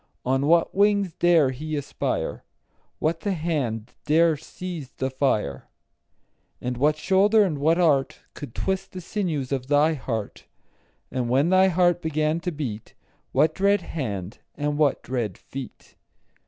On what wings dare he aspire? What the hand dare seize the fire? And what shoulder and what art Could twist the sinews of thy heart? 10 And when thy heart began to beat, What dread hand and what dread feet?